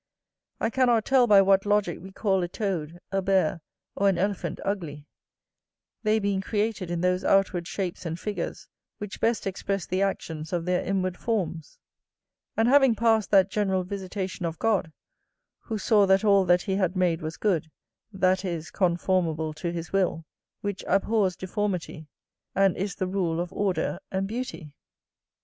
I cannot tell by what logick we call a toad, a bear, or an elephant ugly; they being created in those outward shapes and figures which best express the actions of their inward forms; and having passed that general visitation of God, who saw that all that he had made was good, that is, conformable to his will, which abhors deformity, and is the rule of order and beauty.